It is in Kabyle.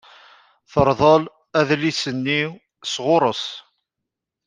Terḍel adlis-nni sɣur-s.